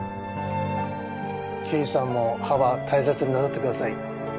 刑事さんも歯は大切になさってください。